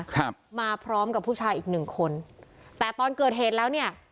ครับมาพร้อมกับผู้ชายอีกหนึ่งคนแต่ตอนเกิดเหตุแล้วเนี่ย